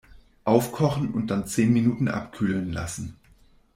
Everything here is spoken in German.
Aufkochen und dann zehn Minuten abkühlen lassen.